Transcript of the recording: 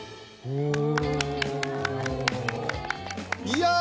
うん。